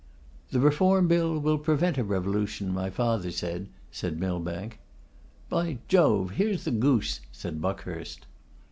'The Reform Bill will prevent a revolution, my father says,' said Millbank. 'By Jove! here's the goose,' said Buckhurst.